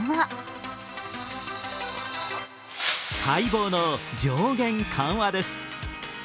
待望の上限緩和です。